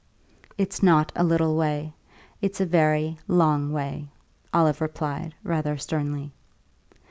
"It's not a little way; it's a very long way," Olive replied, rather sternly.